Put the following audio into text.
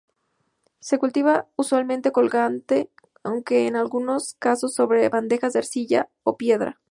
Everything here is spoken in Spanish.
Se cultiva usualmente colgante, aunque en algunos caso sobre bandejas de arcilla o piedra.